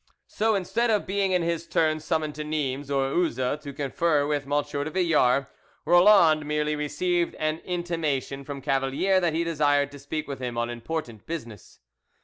So, instead of being in his turn summoned to Nimes, or Uzes, to confer with M. de Villars, Roland merely received an intimation from Cavalier that he desired to speak with him on important business.